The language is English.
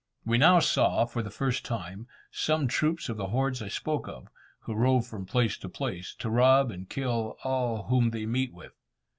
We now saw, for the first time, some troops of the hordes I spoke of, who rove from place to place, to rob and kill all whom they meet with.